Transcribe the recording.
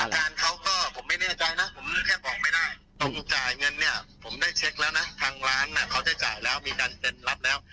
ผมได้เช็คแล้วนะทางร้านน่ะเขาจะจ่ายแล้วมีการเซ็นรับแล้ว